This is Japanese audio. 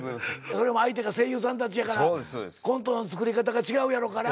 それも相手が声優さんたちやからコントの作り方が違うやろうから。